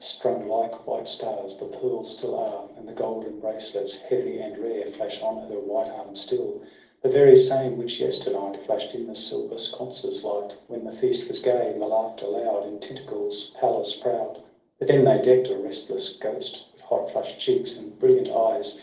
Strung like white stars, the pearls still are, And the golden bracelets, heavy and rare, Flash on her white arms still. The very same which yesternight FlashM in the silver sconces' light, When the feast was gay and the laughter loud In Tyntagel's palace proud. But then they deck'd a restless ghost With hot flush'd cheeks and brilliant eyes.